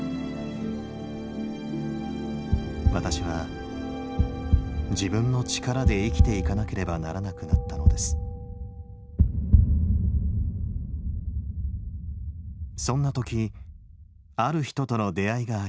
私は自分の力で生きていかなければならなくなったのですそんな時ある人との出会いがありました。